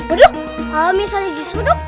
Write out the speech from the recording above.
aduh kalau misalnya disuruh duk